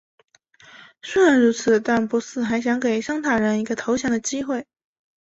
虽然如此但博士还想给桑塔人一个投降的机会。